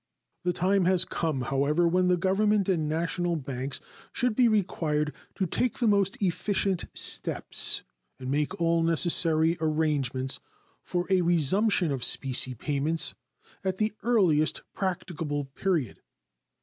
The time has come, however, when the Government and national banks should be required to take the most efficient steps and make all necessary arrangements for a resumption of specie payments at the earliest practicable period.